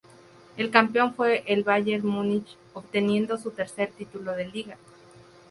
El campeón fue el Bayern Múnich, obteniendo su tercer título de Liga.